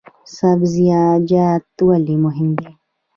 سبزیجات ولې مهم دي؟